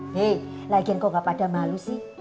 hei lagian kok gak pada malu sih